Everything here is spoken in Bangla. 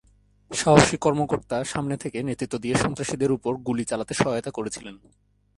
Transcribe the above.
সাহসী কর্মকর্তা সামনে থেকে নেতৃত্ব দিয়ে সন্ত্রাসীদের উপর গুলি চালাতে সহায়তা করেছিলেন।